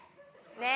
ねえ！